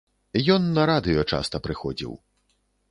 Ён на радыё часта прыходзіў.